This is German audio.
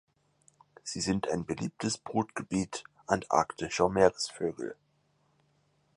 Sie sind ein beliebtes Brutgebiet antarktischer Meeresvögel.